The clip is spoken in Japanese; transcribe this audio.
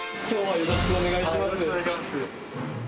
よろしくお願いします。